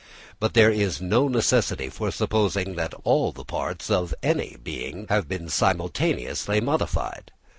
But there is no necessity for supposing that all the parts of any being have been simultaneously modified.